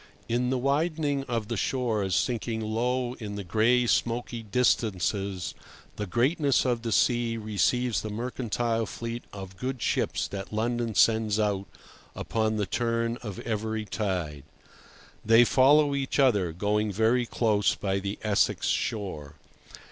In the widening of the shores sinking low in the gray, smoky distances the greatness of the sea receives the mercantile fleet of good ships that London sends out upon the turn of every tide. They follow each other, going very close by the Essex shore.